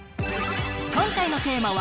今回のテーマは